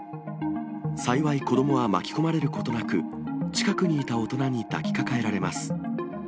幸い子どもは巻き込まれることなく、近くにいた大人に抱きかかえられます。